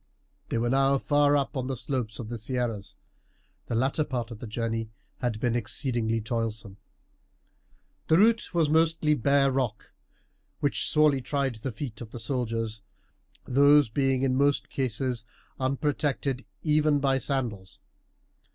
They were now far up on the slopes of the Sierras. The latter part of the journey had been exceedingly toilsome. The route was mostly bare rock, which sorely tried the feet of the soldiers, these being in most cases unprotected even by sandals.